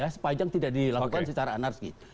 sepanjang tidak dilakukan secara anarkis